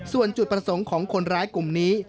ส่วนจุดประสงค์ของคนร้ายกลุ่มนี้